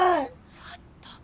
ちょっと。